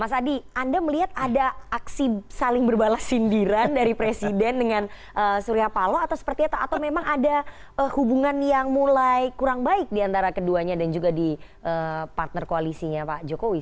mas adi anda melihat ada aksi saling berbalas sindiran dari presiden dengan surya paloh atau seperti apa atau memang ada hubungan yang mulai kurang baik diantara keduanya dan juga di partner koalisinya pak jokowi